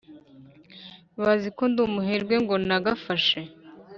baziko nd’umuherwe ngo naragafashe